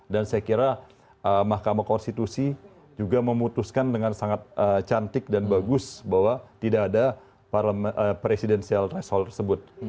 dan saya kira mahkamah konstitusi juga memutuskan dengan sangat cantik dan bagus bahwa tidak ada presidenial threshold tersebut